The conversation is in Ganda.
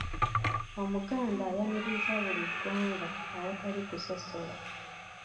Omuganda ayaniriza buli ggwanga awatali kusosola.